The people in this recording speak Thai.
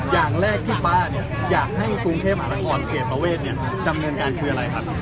อย่างแรกที่ป๊าเนี่ยอยากให้กรุงเทพมหานครเขตประเวทเนี่ยดำเนินการคืออะไรครับ